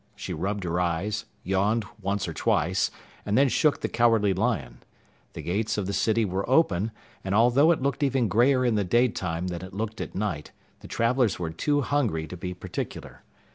She rubbed her eyes, yawned once or twice, and then shook the Cowardly Lion. The gates of the city were open, and although it looked even grayer in the daytime than it looked at night, the travelers were too hungry to be particular.